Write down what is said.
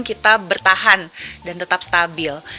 kita bertahan dan tetap stabil